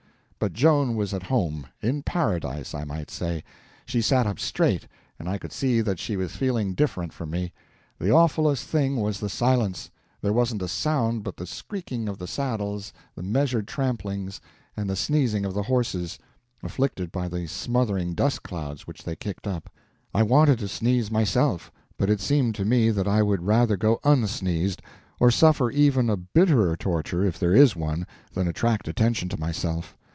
But Joan was at home—in Paradise, I might say. She sat up straight, and I could see that she was feeling different from me. The awfulest thing was the silence; there wasn't a sound but the screaking of the saddles, the measured tramplings, and the sneezing of the horses, afflicted by the smothering dust clouds which they kicked up. I wanted to sneeze myself, but it seemed to me that I would rather go unsneezed, or suffer even a bitterer torture, if there is one, than attract attention to myself.